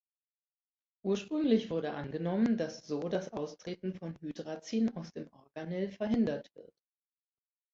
Ursprünglich wurde angenommen, dass so das Austreten von Hydrazin aus dem Organell verhindert wird.